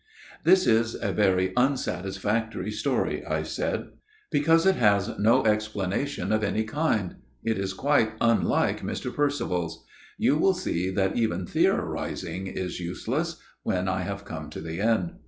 " This is a very unsatisfactory story," I said, " because it has no explanation of any kind. It is quite unlike Mr. Percival's. You will see that even theorizing is useless, when I have come to the end.